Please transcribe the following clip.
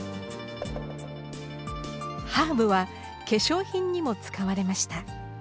ハーブは化粧品にも使われました。